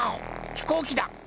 ひこうきだ！